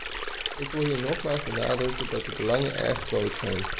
Ik wil hier nogmaals benadrukken dat de belangen erg groot zijn.